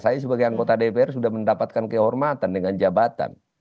saya sebagai anggota dpr sudah mendapatkan kehormatan dengan jabatan